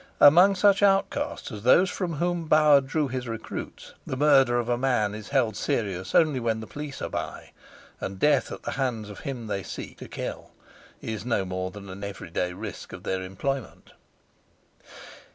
Among such outcasts as those from whom Bauer drew his recruits the murder of a man is held serious only when the police are by, and death at the hands of him they seek to kill is no more than an every day risk of their employment.